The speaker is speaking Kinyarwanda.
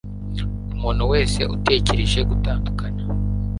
umuntu wese utekereje gutandukana